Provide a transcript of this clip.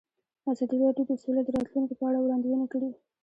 ازادي راډیو د سوله د راتلونکې په اړه وړاندوینې کړې.